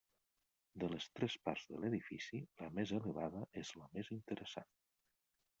De les tres parts de l'edifici, la més elevada és la més interessant.